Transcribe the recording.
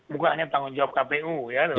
bukan hanya tanggung jawab kpu ya